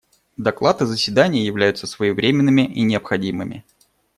Доклад и заседание являются своевременными и необходимыми.